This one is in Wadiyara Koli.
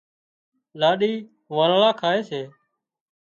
لاڏي وانۯا کائي سي